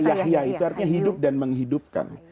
yahya itu artinya hidup dan menghidupkan